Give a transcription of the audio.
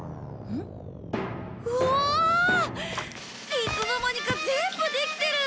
いつの間にか全部できてる！